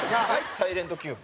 サイレントキューブ。